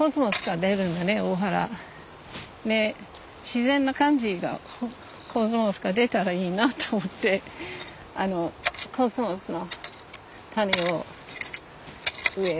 自然な感じがコスモスが出たらいいなと思ってコスモスの種を植えよう。